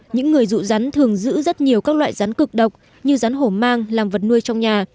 những người rụ rắn thường giữ rất nhiều các loại rắn cực độc như rắn hổ mang làm vật nuôi trong nhà